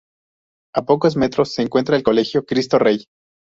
A pocos metros se encuentra el Colegio Cristo Rey.